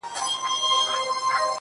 ډبري غورځوې تر شا لاسونه هم نیسې.